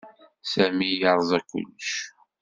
Sami yerẓa kullec.